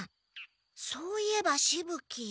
そういえばしぶ鬼。